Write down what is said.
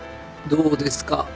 どうですか？